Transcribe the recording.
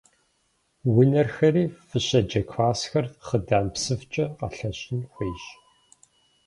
Унэрхэри, фыщеджэ классхэр хъыдан псыфкӀэ къэлъэщӀын хуейщ.